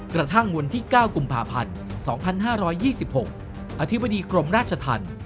กระทั่งวันที่เก้ากลุ่มภาพันธ์สองพันห้าร้อยยี่สิบหกอธิบดีกรรมราชทรรรม